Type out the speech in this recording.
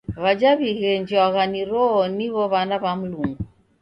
W'aja w'ighenjwagha ni Roho niw'o w'ana w'a Mlungu.